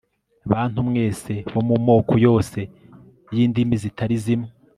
bantu mwese bo mu moko yose y indimi zitari zimwe